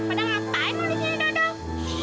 eh padahal ngapain mau di sini dodo